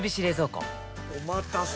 おまたせ！